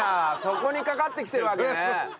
そこにかかってきてるわけね。